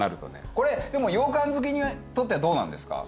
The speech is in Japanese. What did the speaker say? これでもようかん好きにとってはどうなんですか？